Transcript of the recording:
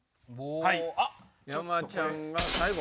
山ちゃんが最後？